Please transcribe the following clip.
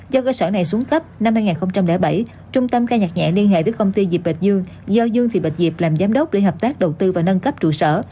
do cơ sở này xuống cấp năm hai nghìn bảy trung tâm ca nhạc nhẹ liên hệ với công ty dịp bạch dương do dương thị bạch diệp làm giám đốc để hợp tác đầu tư và nâng cấp trụ sở